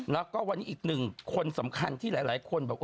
แล้วก็วันนี้อีกหนึ่งคนสำคัญที่หลายคนบอก